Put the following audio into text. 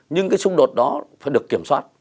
nhưng cái xung đột đó phải được kiểm soát